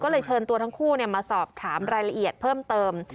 ก็เลยเชิญตัวทั้งคู่มาสอบถามรายละเอียดเพิ่มเติม